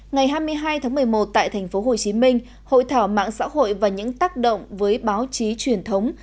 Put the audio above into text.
ngày hai mươi hai tháng một mươi một tại thành phố hồ chí minh hội thảo mạng xã hội và những tác động với báo chí truyền thống